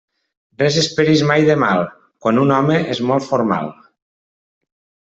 Res esperis mai de mal, quan un home és molt formal.